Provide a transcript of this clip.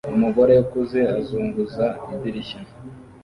Umugore ukuze azunguza idirishya